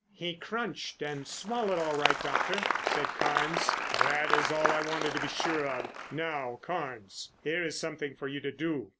"He crunched and swallowed all right, Doctor," said Carnes. "That is all I wanted to be sure of. Now Carnes, here is something for you to do.